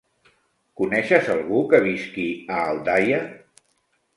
Coneixes algú que visqui a Aldaia?